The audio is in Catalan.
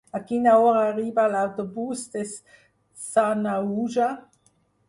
A quina hora arriba l'autobús de Sanaüja?